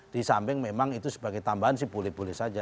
di samping memang itu sebagai tambahan sih boleh boleh saja